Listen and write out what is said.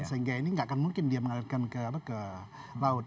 jadi tanah ini gak akan mungkin dia mengalirkan ke apa ke laut